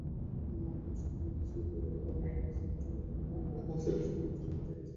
মেলার পৃষ্ঠপোষক হিসেবে রয়েছে RS software, Aponjon, Advanced Apps Bangladesh limited.